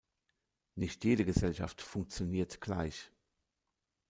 Nicht jede Gesellschaft funktioniert gleich.